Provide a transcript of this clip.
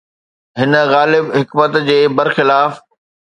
هن غالب حڪمت جي برخلاف